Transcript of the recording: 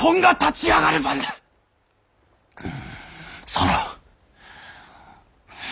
その。